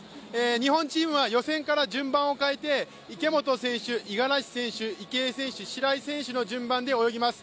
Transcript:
日本チームは予選から順番を変えて、池本選手、五十嵐選手、池江選手、白井選手の順番で泳ぎます。